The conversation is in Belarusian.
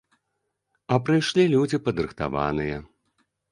А прыйшлі людзі падрыхтаваныя.